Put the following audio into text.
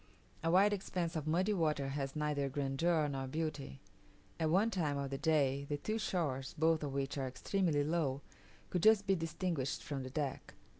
A wide expanse of muddy water has neither grandeur nor beauty. At one time of the day, the two shores, both of which are extremely low, could just be distinguished from the deck.